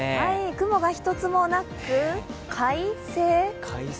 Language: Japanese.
雲が１つもなく、快晴。